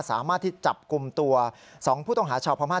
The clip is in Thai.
สามารถที่จับกลุ่มตัว๒ผู้ต้องหาชาวพม่า